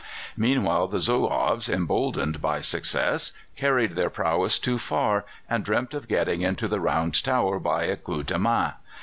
Meanwhile the Zouaves, emboldened by success, carried their prowess too far, and dreamt of getting into the round tower by a coup de main.